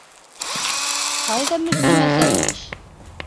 Ҡайҙа Мөслим Әсәнович?..